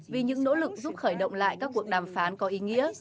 vì những nỗ lực giúp khởi động lại các cuộc đàm phán có ý nghĩa